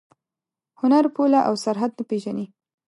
هنر پوله او سرحد نه پېژني.